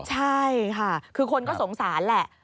ใช่ค่ะคือคนก็สงสารแหละ